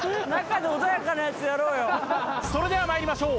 それでは参りましょう。